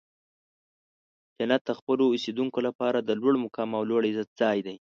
جنت د خپلو اوسیدونکو لپاره د لوړ مقام او لوړ عزت ځای دی.